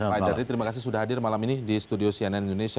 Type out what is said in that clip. pak haidardi terima kasih sudah hadir malam ini di studio cnn indonesia